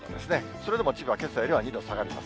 それでも千葉はけさよりも２度下がります。